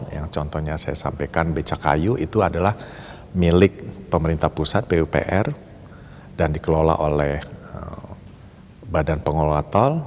yang contohnya saya sampaikan becakayu itu adalah milik pemerintah pusat pupr dan dikelola oleh badan pengelola tol